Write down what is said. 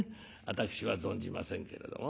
私は存じませんけれども。